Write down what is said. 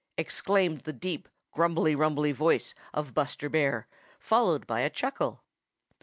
exclaimed the deep, grumbly, rumbly voice of Buster Bear, followed by a chuckle.